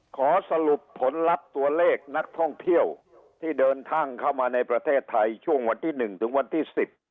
ขอสรุปผลลัพธ์ตัวเลขนักท่องเที่ยวที่เดินทางเข้ามาในประเทศไทยช่วงวันที่๑ถึงวันที่๑๐